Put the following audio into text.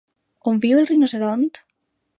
On viu el rinoceront?